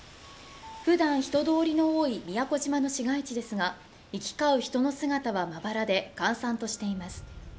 普段人通りの多い宮古島の市街地ですが、行き交う人の姿はまばらで閑散としています。